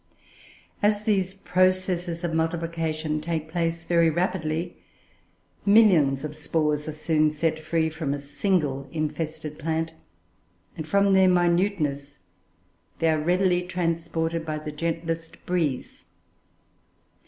As these processes of multiplication take place very rapidly, millions of spores are soon set free from a single infested plant; and, from their minuteness, they are readily transported by the gentlest breeze.